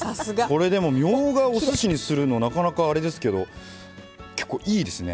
これでもみょうがをおすしにするのなかなかあれですけど結構いいですね。